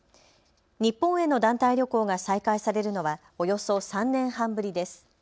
日本への団体旅行が再開されるのは、およそ３年半ぶりです。